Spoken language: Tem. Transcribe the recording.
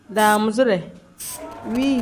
Daamuside.